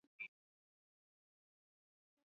na ni nyinyi wasusi na watengenezaji nywele hapa